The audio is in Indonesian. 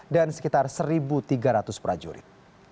dan sekitar satu tiga ratus prajurit